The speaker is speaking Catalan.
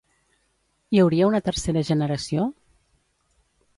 Hi hauria una tercera generació?